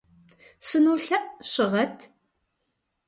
Сынолъэӏу, щыгъэт.